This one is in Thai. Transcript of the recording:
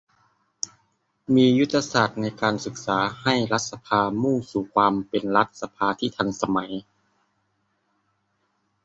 มียุทธศาสตร์ในการศึกษาให้รัฐสภามุ่งสู่ความเป็นรัฐสภาที่ทันสมัย